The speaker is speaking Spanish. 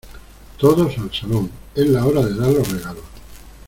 Todos al salón. Es la hora de dar los regalos .